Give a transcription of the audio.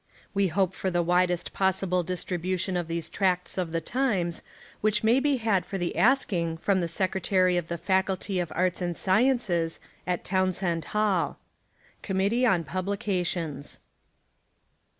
We hope for the widest possible distribution of '. these tracts of the times, which may be had for the asking from the Secretary of the Faculty of Arts and Sciences, at Town send Hall. Committee on Publications.